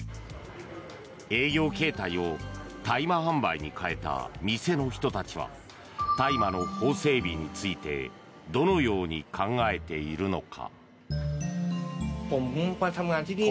営業形態を大麻販売に変えた店の人たちは大麻の法整備についてどのように考えているのか。